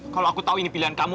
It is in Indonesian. kalau aku tahu ini pilihan kamu